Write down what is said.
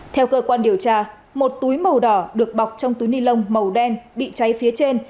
theo cơ quan điều tra một túi màu đỏ được bọc trong túi ni lông màu đen bị cháy phía trên